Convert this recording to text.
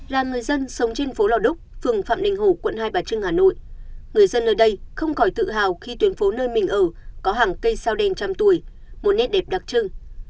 là người dân sống trên phố lò đúc phường phạm đình hổ quận hai bà trưng hà nội người dân nơi đây không còn tự hào khi tuyến phố nơi mình ở có hàng cây sao đen trăm tuổi một nét đẹp đặc trưng